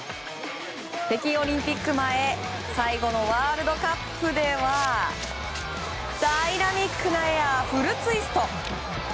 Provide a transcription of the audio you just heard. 北京オリンピック前最後のワールドカップではダイナミックなエアフルツイスト。